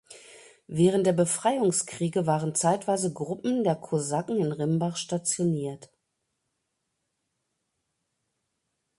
Während der Befreiungskriege waren zeitweise Gruppen der Kosaken in Rimbach stationiert.